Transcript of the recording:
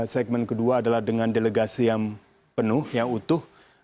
segmen kedua adalah dengan delegasi yang penuh yang utuh